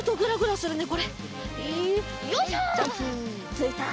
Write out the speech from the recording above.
ついた！